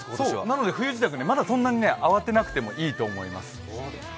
なので冬支度、まだそんなに慌てなくていいと思います。